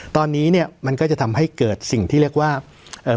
ตอนนี้เนี่ยมันก็จะทำให้เกิดสิ่งที่เรียกว่าเอ่อ